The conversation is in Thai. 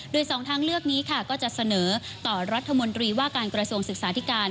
โดยสองทางเลือกนี้ค่ะก็จะเสนอต่อรัฐมนตรีว่าการกระทรวงศึกษาธิการ